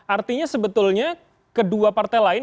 artinya sebetulnya kedua partai lain